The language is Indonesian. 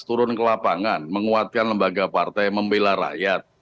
turun ke lapangan menguatkan lembaga partai membela rakyat